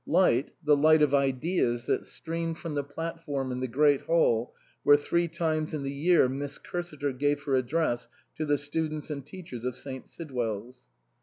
Light, the light of ideas, that streamed from the platform in the great hall where three times in the year Miss Cursiter gave her address to the students and teachers of St. Sidwell's.